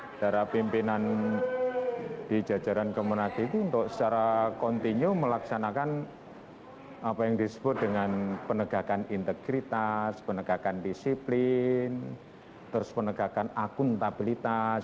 saudara pimpinan di jajaran kemenang itu untuk secara kontinu melaksanakan apa yang disebut dengan penegakan integritas penegakan disiplin terus penegakan akuntabilitas